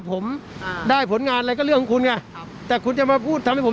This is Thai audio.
ผมอ่าได้ผลงานอะไรก็เรื่องของคุณไงครับแต่คุณจะมาพูดทำให้ผม